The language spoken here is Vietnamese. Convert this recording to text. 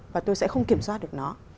và tôi sẽ không kiểm soát được nó